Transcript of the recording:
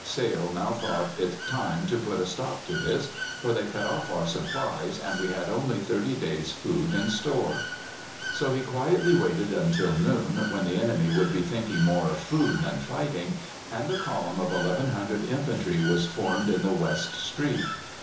Sale now thought it time to put a stop to this, for they cut off our supplies and we had only thirty days' food in store. So he quietly waited until noon, when the enemy would be thinking more of food than fighting, and a column of 1,100 infantry was formed in the west street.